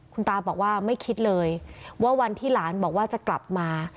คุณตาบอกว่าไม่คิดเลยว่าวันที่หลานบอกว่าจะกลับมา